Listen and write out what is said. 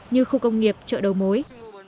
như khu công nghiệp chợ đầu mối